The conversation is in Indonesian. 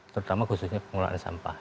terutama khususnya pengelolaan sampah